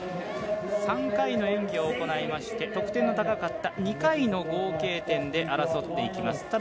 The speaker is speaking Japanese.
３回目の演技を終えて得点の高かった２回の合計点で争っていきます。